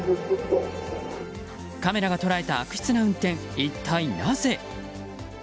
カメラが捉えた悪質な運転一体なぜ？